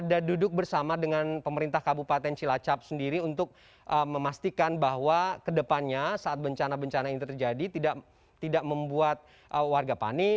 ada duduk bersama dengan pemerintah kabupaten cilacap sendiri untuk memastikan bahwa kedepannya saat bencana bencana ini terjadi tidak membuat warga panik